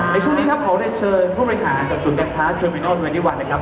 ในช่วงนี้ถ้าเขาได้เชิญผู้รายหาจากศูนย์การคลาสเทอร์มินอลเมนอลเมนี่วันนะครับ